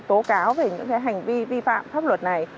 đánh giá về những hành vi vi phạm pháp luật này